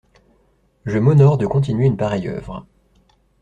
Je m'honore de continuer une pareille œuvre.